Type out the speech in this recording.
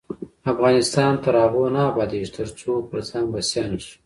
افغانستان تر هغو نه ابادیږي، ترڅو پر ځان بسیا نشو.